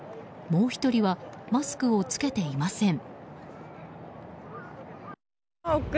もう１人はマスクを着けていません。